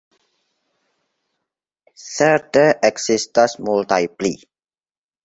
Certe ekzistas multaj pli.